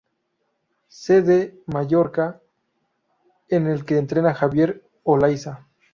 C. D. Mallorca en el que entrena Javier Olaizola.